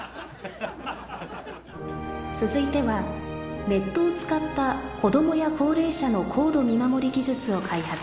・続いてはネットを使った子どもや高齢者の「高度みまもり技術」を開発